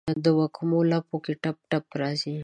دوږمو لپو کې ټپ، ټپ راځي